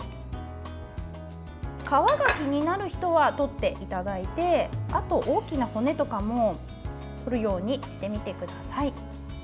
皮が気になる人は取っていただいてあと、大きな骨とかも取るようにしてみてください。